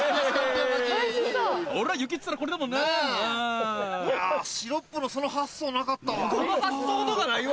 俺ら雪っつったらこれだもんな？なぁ？いやシロップのその発想なかったわ。